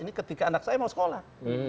ini ketika anak saya mau sekolah